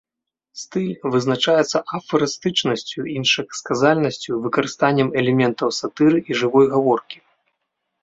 Стыль вызначаецца афарыстычнасцю, іншасказальнасцю, выкарыстаннем элементаў сатыры і жывой гаворкі.